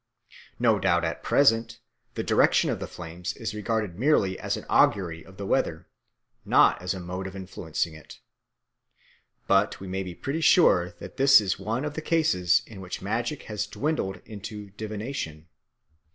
No doubt at present the direction of the flames is regarded merely as an augury of the weather, not as a mode of influencing it. But we may be pretty sure that this is one of the cases in which magic has dwindled into divination.